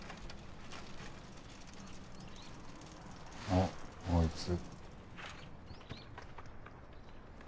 あっあいつ。